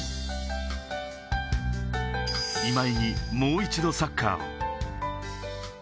今井に、もう一度サッカーを。